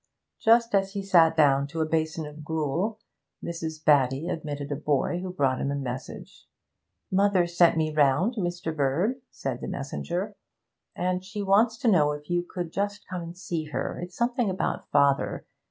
Just as he sat down to a basin of gruel, Mrs. Batty admitted a boy who brought him a message. 'Mother sent me round, Mr. Bird,' said the messenger, 'and she wants to know if you could just come and see her; it's something about father.